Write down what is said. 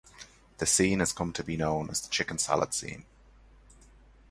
The scene has come to be known as the "chicken salad scene".